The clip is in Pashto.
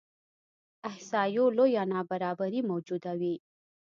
احصایو لویه نابرابري موجوده وي.